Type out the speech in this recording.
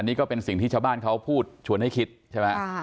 นี่ก็เป็นสิ่งที่ชาวบ้านเขาพูดชวนให้คิดใช่ไหม